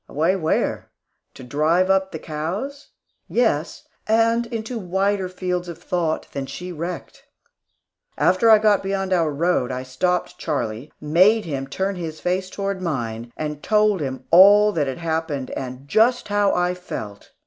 Away where? To drive up the cows? Yes, and into wider fields of thought than she recked. After I got beyond our road, I stopped Charlie, and made him turn his face toward mine, and told him all that had happened, and just how I felt.